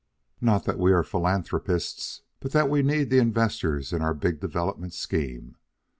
Not that we are philanthropists, but that we need the investors in our big development scheme.